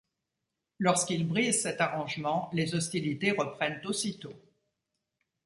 Lorsqu'il brise cet arrangement les hostilités reprennent aussitôt.